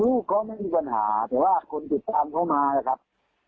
ลูกเขาไม่มีปัญหาแต่ว่าคนติดตามเขามานะครับ